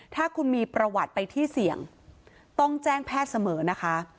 ถ้าคุณมีประวัติไปที่เสี่ยงต้องแจ้งแพทย์เสมอนะคะ